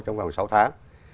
trong vòng sáu tháng